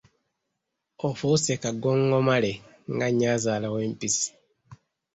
Ofuuse kagongomale, nga nnyazaala w’empisi.